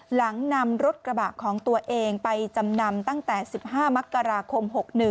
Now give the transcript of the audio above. หลังนำรถกระบะของตัวเองไปจำนำตั้งแต่๑๕มกราคม๖๑